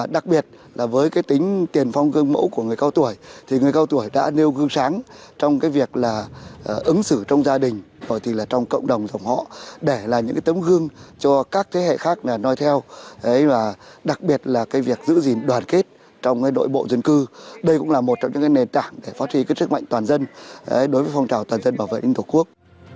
đặc biệt là việc giữ gìn đoàn kết trong đội bộ dân cư đây cũng là một trong những nền tảng để phóng trí chức mạnh toàn dân đối với phong trào toàn dân bảo vệ an ninh tổ quốc